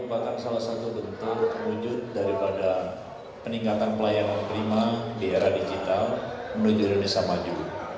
ini merupakan salah satu bentuk wujud daripada peningkatan pelayanan prima di era digital menuju indonesia maju